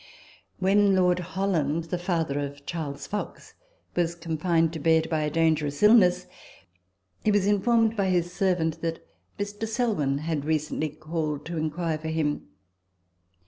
When Lord Holland (the father of Charles Fox) was confined to bed by a dangerous illness, he was informed by his servant that Mr. Selwyn had recently called to inquire for him.